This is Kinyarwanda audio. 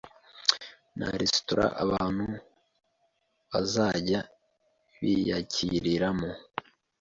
na restaurant abantu bazajya biyakiriramo